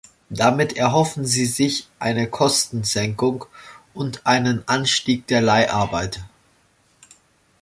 Damit erhoffen sie sich eine Kostensenkung und einen Anstieg der Leiharbeit.